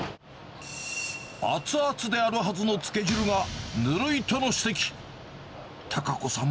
熱々であるはずのつけ汁がぬるいとの指摘。